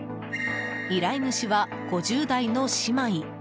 依頼主は５０代の姉妹。